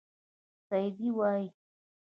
سعدي وایي.